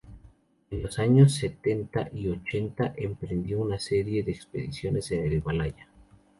En los años setenta y ochenta, emprendió una serie de expediciones en el Himalaya.